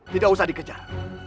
tidak usah dikejar